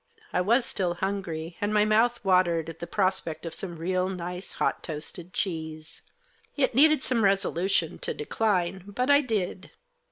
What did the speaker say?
I was still hungry, and my mouth watered at the prospect of some real nice, hot toasted cheese. It needed some resolution to decline. But I did.